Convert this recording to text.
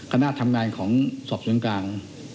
ตามที่ทางทำงานของสอบสรุนกลาง